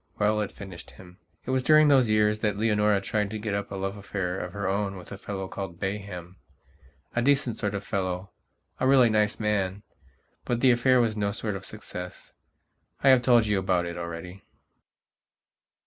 Well, it finished him. It was during those years that Leonora tried to get up a love affair of her own with a fellow called Bayhama decent sort of fellow. A really nice man. But the affair was no sort of success. I have told you about it already...